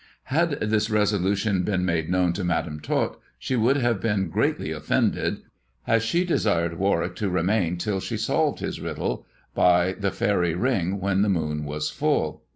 Had this resolution been made known to Madam Tot, she would have been greatly offended, as she desired Warwick to remain till she solved his riddle by the faery ring when the moon was full.